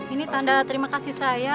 ini tanda terima kasih saya